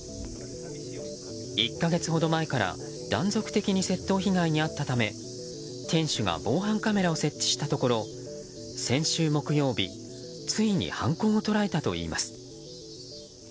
１か月ほど前から断続的に窃盗被害に遭った為店主が防犯カメラを設置したところ先週木曜日ついに犯行を捉えたといいます。